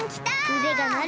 うでがなる！